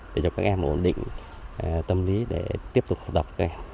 để cho các em ổn định tâm lý để tiếp tục học tập